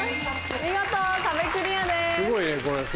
見事壁クリアです。